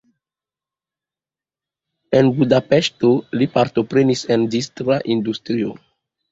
En Budapeŝto li partoprenis en la distra industrio.